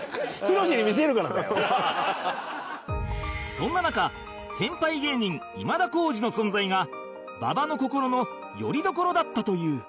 そんな中先輩芸人今田耕司の存在が馬場の心の拠り所だったという